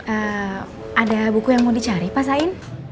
ada buku yang mau dicari pak sain